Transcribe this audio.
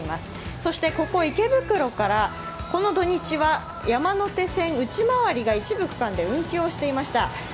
そしてここ池袋からこの土日は山手線内回りが一部区間で運休をしていました。